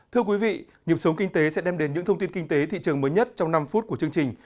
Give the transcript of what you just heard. thưa quý vị nhiệm sống kinh tế sẽ đem đến những thông tin kinh tế thị trường mới nhất trong năm phút của chương trình